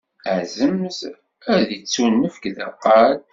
Azemz ad d-ttunefk deqqal.